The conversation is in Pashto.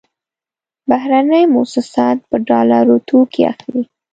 بهرني موسسات په ډالرو توکې اخلي.